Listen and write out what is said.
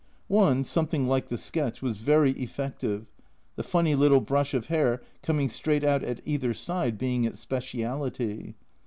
One, something like the sketch, was very effective, the funny little brush of hair coming straight out at either side being its speciality.